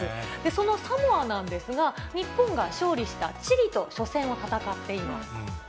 そのサモアなんですが、日本が勝利したチリと初戦を戦っています。